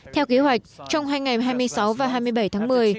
theo kế hoạch trong hai ngày hai mươi sáu và hai mươi bảy tháng một mươi